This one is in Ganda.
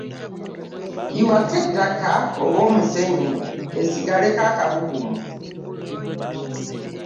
Yiwako ettaka oba omusenyu esigaleko akabugumu.